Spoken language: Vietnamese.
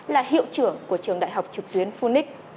là hiệu trưởng của trường đại học trực tuyến phunix